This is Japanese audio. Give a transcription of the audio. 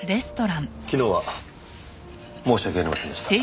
昨日は申し訳ありませんでした。